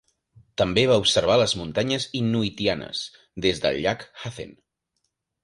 També va observar les Muntanyes Innuitianes des del llac Hazen.